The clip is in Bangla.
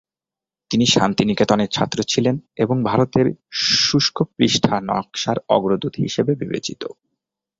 তিনি শান্তিনিকেতনের ছাত্র ছিলেন এবং ভারতের শুষ্কপৃষ্ঠা-নকশার অগ্রদূত হিসেবে বিবেচিত।